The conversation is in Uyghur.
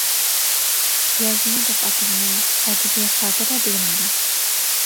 يازما دەپ ئاتىغىنىم، ئەدەبىي خاتىرە دېگىنىم راست.